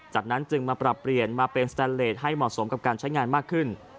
จากนั้นจึงมาปรับเปลี่ยนมาเป็นสแตนเลสให้เหมาะสมกับการใช้งานมากขึ้น